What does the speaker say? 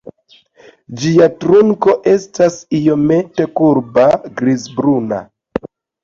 Ĝia trunko estas iomete kurba, grizbruna.